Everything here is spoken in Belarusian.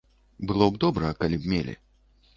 Было б добра, калі б мелі.